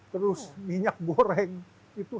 terus minyak goreng itu